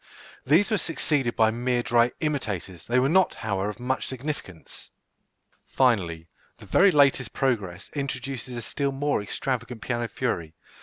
These were succeeded by mere dry imitators; they were not, however, of much significance. Finally, the very latest progress introduces a still more extravagant piano fury.